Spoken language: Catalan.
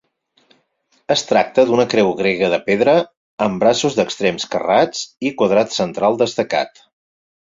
Es tracta d'una creu grega de pedra amb braços d'extrems carrats i quadrat central destacat.